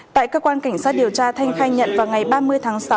tại cơ quan cảnh sát điều tra thanh khai nhận vào ngày ba mươi tháng sáu